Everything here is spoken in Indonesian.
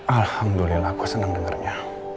alhamdulillah aku senang dengarnya